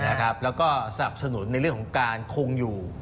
ใช่นะครับแล้วก็สรรพสนุนในเรื่องของการคงอยู่